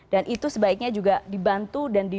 dan itu sebaiknya juga dibantu dan didukung